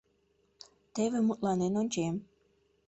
Теве мутланен ончем.